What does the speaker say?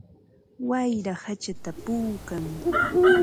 Wayra hachata puukan.